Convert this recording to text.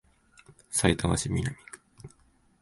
さいたま市南区